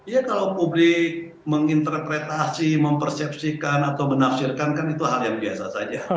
ya kalau publik menginterpretasi mempersepsikan atau menafsirkan kan itu hal yang biasa saja